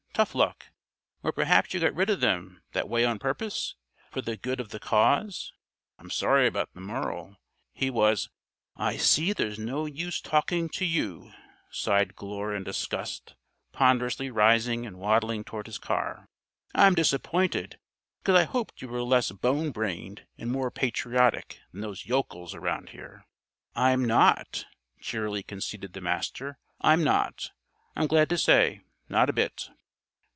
Tough luck! Or perhaps you got rid of them that way on purpose? For the good of the Cause? I'm sorry about the Merle. He was " "I see there's no use talking to you," sighed Glure in disgust, ponderously rising and waddling toward his car. "I'm disappointed; because I hoped you were less bone brained and more patriotic than these yokels round here." "I'm not," cheerily conceded the Master. "I'm not, I'm glad to say. Not a bit."